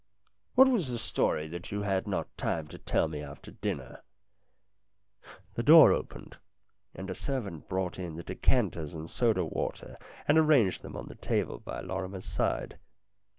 " What was the story that you had not time to tell me after dinner ?" The door opened, and a servant brought in the decanters and soda water and arranged them on the table by Lorrimer's side.